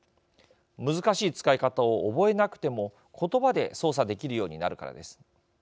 難しい使い方を覚えなくても言葉で操作できるようになるからです。